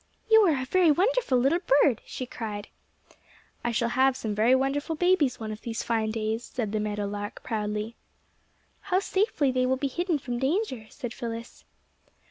"You are a very wonderful little bird," she cried. "I shall have some very wonderful babies one of these fine days," said the meadow lark, proudly. "How safely they will be hidden from danger," said Phyllis.